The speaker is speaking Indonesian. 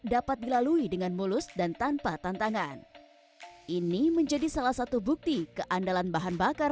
dapat dilalui dengan mulus dan tanpa tantangan ini menjadi salah satu bukti keandalan bahan bakar